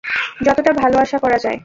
যতটা ভালো আশা করা যায়।